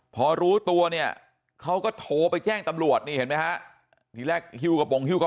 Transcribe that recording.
พอรู้ตัวเขาก็โทรไปแจ้งตำรวจเห็นไหมที่แรกฮิวกระป๋องฮิวกระเป๋ามา